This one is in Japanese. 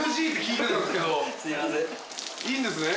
いいんですね？